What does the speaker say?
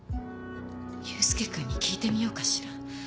佑介君に聞いてみようかしら。